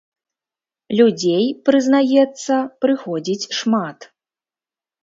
Людзей, прызнаецца, прыходзіць шмат.